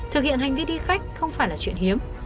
thực hiện hành vi đi khách không phải là chuyện hiếm